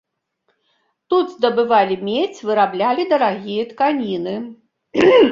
Тут здабывалі медзь, выраблялі дарагія тканіны.